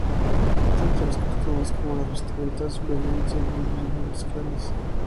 Tanto las costumbres como las vestimentas varían según los diferentes clanes.